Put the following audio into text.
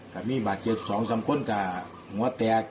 ก็มีบาทเจ็บ๒๓คนค่ะผมว่าแต่